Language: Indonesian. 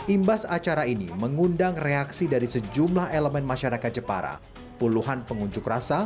imbas acara ini mengundang reaksi dari sejumlah elemen masyarakat jepara puluhan pengunjuk rasa